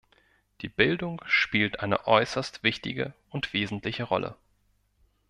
Die Bildung spielt eine äußerst wichtige und wesentliche Rolle.